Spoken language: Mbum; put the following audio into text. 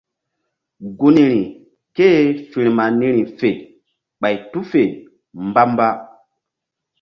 Gunri ké-e firma niri fe ɓay tu fe mbamba.